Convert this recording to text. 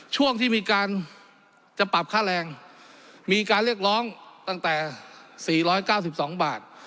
ช่วงที่มีการจะปรับค่าแรงมีการเรียกร้องตั้งแต่๔๙๒บาท